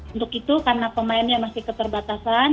untuk itu karena pemainnya masih keterbatasan